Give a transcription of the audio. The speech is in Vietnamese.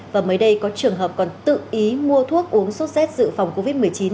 và mới đây có trường hợp còn tự ý mua thuốc uống sốt z dự phòng covid một mươi chín